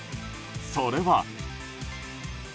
それは。